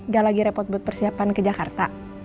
gak lagi repot buat persiapan ke jakarta